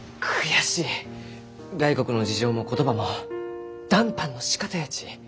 外国の事情も言葉も談判のしかたやち